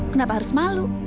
kenapa harus malu